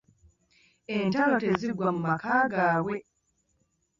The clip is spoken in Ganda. Entalo teziggwa mu maka gaabwe.